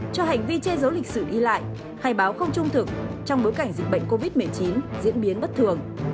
cho hành vi che giấu lịch sử đi lại khai báo không trung thực trong bối cảnh dịch bệnh covid một mươi chín diễn biến bất thường